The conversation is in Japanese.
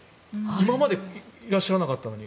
今までいらっしゃらなかったのに。